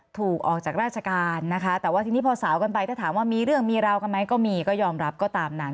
ถูกออกจากราชการนะคะแต่ว่าทีนี้พอสาวกันไปถ้าถามว่ามีเรื่องมีราวกันไหมก็มีก็ยอมรับก็ตามนั้น